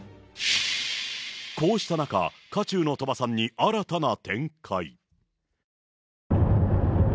こうした中、渦中の鳥羽さんに新たな展開。